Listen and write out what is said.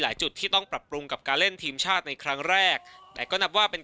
จุดที่ต้องปรับปรุงกับการเล่นทีมชาติในครั้งแรกแต่ก็นับว่าเป็น